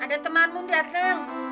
ada temanmu darang